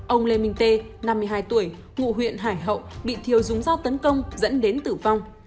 ông lê minh tê năm mươi hai tuổi ngụ huyện hải hậu bị thiêu dúng giao tấn công dẫn đến tử vong